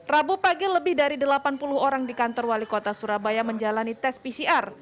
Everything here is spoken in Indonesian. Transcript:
rabu pagi lebih dari delapan puluh orang di kantor wali kota surabaya menjalani tes pcr